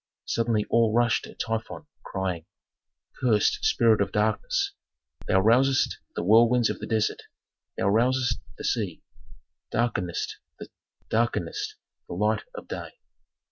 Suddenly all rushed at Typhon crying, "Cursed spirit of darkness! Thou rousest the whirlwinds of the desert, thou rousest the sea, darkenest the light of day!